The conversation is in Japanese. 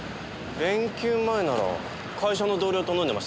連休前なら会社の同僚と飲んでました。